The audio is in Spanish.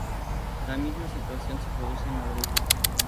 La misma situación se produce en Madrid.